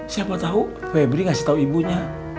siapa tahu febri ngasih tahu ibunya